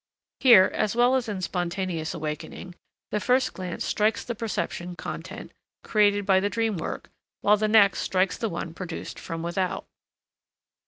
Here, as well as in spontaneous awakening, the first glance strikes the perception content created by the dream work, while the next strikes the one produced from without.